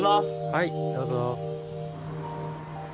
はいどうぞ。